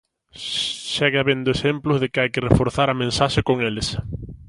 Segue habendo exemplos de que hai que reforzar a mensaxe con eles.